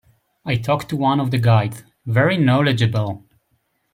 I talked to one of the guides – very knowledgeable.